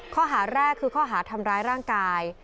ข้อหาแรกคือข้อหาทำร้ายร่างกาย